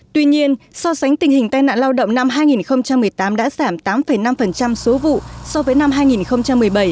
tuy nhiên so sánh tình hình tai nạn lao động năm hai nghìn một mươi tám đã giảm tám năm số vụ so với năm hai nghìn một mươi bảy